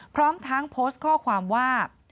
พร้อมทั้งโพสต์ข้อความว่า